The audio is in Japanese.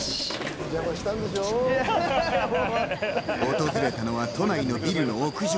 訪れたのは都内のビルの屋上。